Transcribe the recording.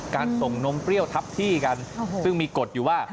ส่งนมเปรี้ยวทับที่กันซึ่งมีกฎอยู่ว่า